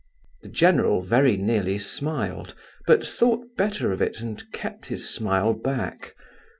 The general very nearly smiled, but thought better of it and kept his smile back.